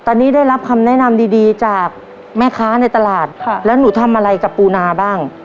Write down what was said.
ตอนนี้ได้รับคำแนะนำดีดีจากแม่ค้าในตลาดค่ะแล้วหนูทำอะไรกับปูนาบ้าง